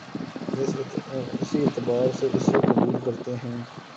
اسی اعتبار سے اسے قبول کرتے ہیں